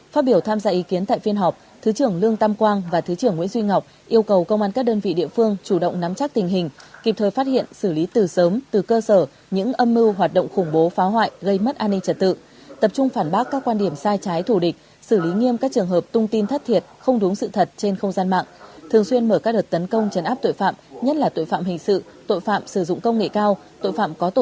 phát biểu tham gia ý kiến tại phiên họp thứ trưởng lương tam quang và thứ trưởng nguyễn duy ngọc yêu cầu công an các đơn vị địa phương chủ động nắm chắc tình hình kịp thời phát hiện xử lý từ sớm từ cơ sở những âm mưu hoạt động khủng bố phá hoại gây mất an ninh trật tự tập trung phản bác các quan điểm sai trái thủ địch xử lý nghiêm các trường hợp tung tin thất thiệt không đúng sự thật trên không gian mạng thường xuyên mở các đợt tấn công chấn áp tội phạm nhất là tội phạm hình sự tội phạm sử dụng công nghệ cao t